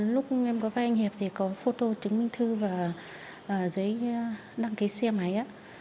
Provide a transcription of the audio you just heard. lúc em có vay anh hiệp thì có phôto chứng minh thư và giấy đăng ký xe máy